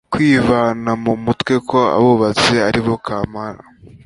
kwivana mu mutwe ko abatutsi ari bo kamara